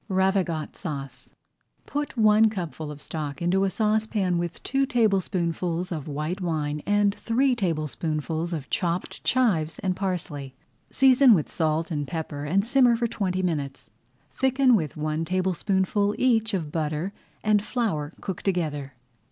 RAVIGOTE SAUCE Put one cupful of stock into a saucepan with two tablespoonfuls of white wine and three tablespoonfuls of chopped chives and parsley. Season with salt and pepper and simmer for twenty minutes. Thicken with one tablespoonful each of butter and flour cooked together.